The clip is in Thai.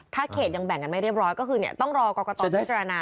ถ้าเขตยังแบ่งกันไม่เรียบร้อยก็คือต้องรอกรกตพิจารณา